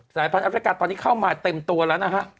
สายพันธ์แอฟริกาตอนนี้เข้ามาเต็มตัวแล้วนะฮะ